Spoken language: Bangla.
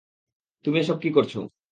তুমি এসব কী করেছ?